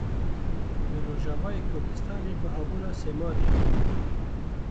Li Rojavayê Kurdistanê bihabûna semadê.